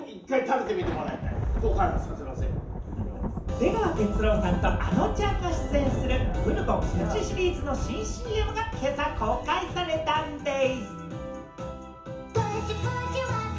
出川哲朗さんと、あのちゃんが出演するブルボンプチシリーズの新ＣＭが今朝公開されたんです。